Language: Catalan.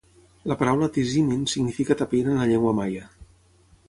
La paraula "tizimin" significa "tapir" en la llengua maia.